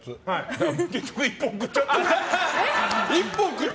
だから、結局１本食っちゃった。